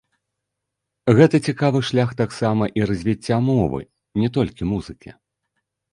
Гэта цікавы шлях таксама і развіцця мовы, не толькі музыкі.